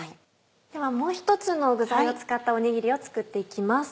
ではもう一つの具材を使ったおにぎりを作って行きます。